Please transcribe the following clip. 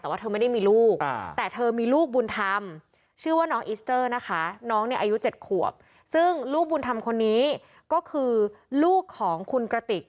แต่ว่าเธอไม่ได้มีลูกแต่เธอมีลูกบุญธรรมชื่อว่าน้องอิสเจอร์นะคะน้องเนี่ยอายุ๗ขวบซึ่งลูกบุญธรรมคนนี้ก็คือลูกของคุณกระติก